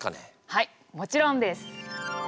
はいもちろんです。